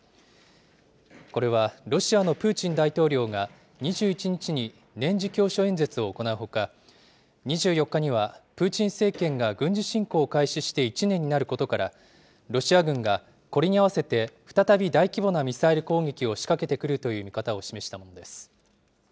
これはロシアのプーチン大統領が２１日に年次教書演説を行うほか、２４日にはプーチン政権が軍事侵攻を開始して１年になることから、ロシア軍がこれに合わせて再び大規模なミサイル攻撃を仕掛けてくるという見方を示したものです。